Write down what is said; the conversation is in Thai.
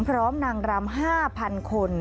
พร้อม๕๐๐๐คน